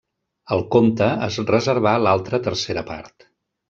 El comte es reservà l’altra tercera part.